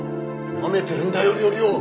なめてるんだよ料理を！